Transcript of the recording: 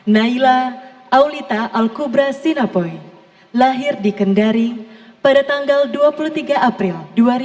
naila aulita alkubra sinapoi lahir di kendari pada tanggal dua puluh tiga april dua ribu tujuh